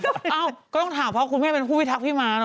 เอ้าก็ต้องถามเพราะคุณแม่เป็นผู้พิทักษ์พี่ม้าเน